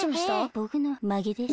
ぼくのまけです。